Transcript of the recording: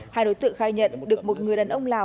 hai đối tượng khai nhận được một người đàn ông lào